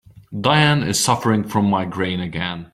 Diana is suffering from migraine again.